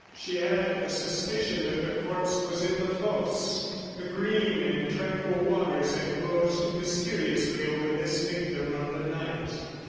She had a suspicion that the corpse was in the fosse. The green and tranquil waters had closed mysteriously over this victim of the night.